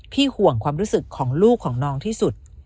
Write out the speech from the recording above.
ห่วงความรู้สึกของลูกของน้องที่สุด